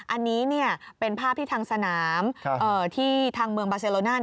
อันนี้เป็นภาพที่ทางสนามที่ทางเมืองบาเซโลน่า